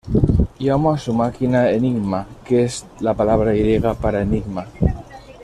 Llamó a su máquina Enigma, que es la palabra griega para "enigma".